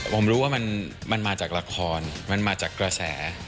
ผมรู้ว่ามันมาจากละครมันมาจากกระแส